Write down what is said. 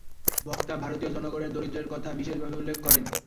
বক্তা ভারতীয় জনগণের দারিদ্র্যের কথা বিশেষভাবে উল্লেখ করেন।